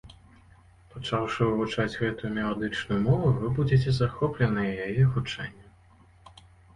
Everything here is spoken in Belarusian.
Пачаўшы вывучаць гэтую меладычную мову, вы будзеце захопленыя яе гучаннем.